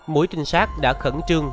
mũi trinh sát đã khẩn trương